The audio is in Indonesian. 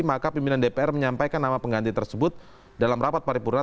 maka pimpinan dpr menyampaikan nama pengganti tersebut dalam rapat paripurna